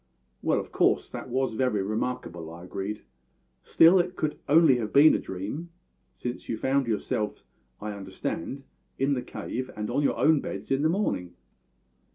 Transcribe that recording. "Well, of course, that was very remarkable," I agreed. "Still, it could have been only a dream, since you found yourselves, I understand, in the cave and on your own beds in the morning."